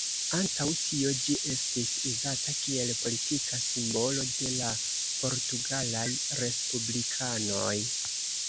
Antaŭ tio ĝi estis uzata kiel politika simbolo de la portugalaj respublikanoj.